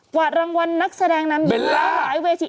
กว่ารางวัลนักแสดงนั้นเยอะมากหลายเวที